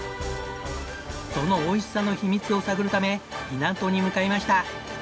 そのおいしさの秘密を探るため港に向かいました。